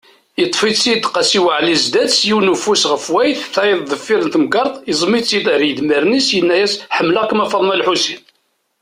Yeṭṭef-itt-id Qasi waɛli zdat-s, yiwen ufus ɣef wayet, tayeḍ deffir n temgerḍt, iẓmeḍ-itt-id ar yidmaren-is, yenna-yas: Ḥemmleɣ-kem a Faḍma lḥusin.